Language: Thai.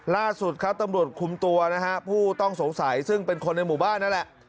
ล่าสุดครับตำรวจคุมตัวนะฮะผู้ต้องสงสัยซึ่งเป็นคนในหมู่บ้านนั่นแหละ